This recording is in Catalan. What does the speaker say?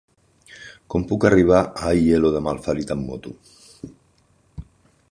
Com puc arribar a Aielo de Malferit amb moto?